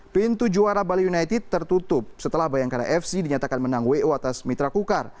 pintu juara bali united tertutup setelah bayangkara fc dinyatakan menang wo atas mitra kukar